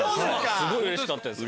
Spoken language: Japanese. すごいうれしかったです。